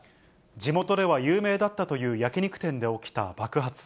地元では有名だったという焼き肉店で起きた爆発。